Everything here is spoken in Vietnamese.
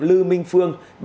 lư minh phương